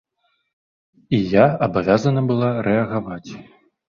І я абавязана была рэагаваць.